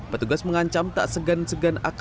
petugas mengancam tak segan segan akan mengangkut kaki